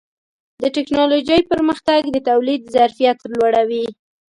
د ټکنالوجۍ پرمختګ د تولید ظرفیت لوړوي.